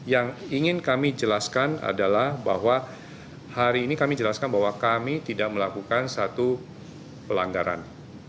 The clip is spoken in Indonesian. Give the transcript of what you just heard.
yang ingin kami jelaskan adalah bahwa hari ini kami jelaskan bahwa kami tidak melakukan satu pelanggaran